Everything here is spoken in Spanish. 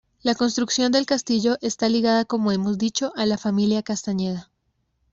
La construcción del castillo está ligada como hemos dicho a la familia Castañeda.